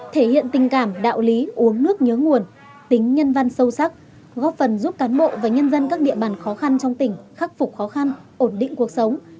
thể hiện tình cảm đạo lý uống nước nhớ nguồn tính nhân văn sâu sắc góp phần giúp cán bộ và nhân dân các địa bàn khó khăn trong tỉnh khắc phục khó khăn ổn định cuộc sống